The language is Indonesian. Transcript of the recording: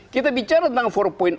kita bicara tentang empat